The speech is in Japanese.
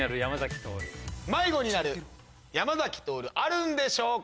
「迷子になる山咲トオル」あるんでしょうか？